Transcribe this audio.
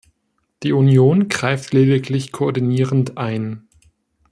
Die Union greift lediglich koordinierend ein.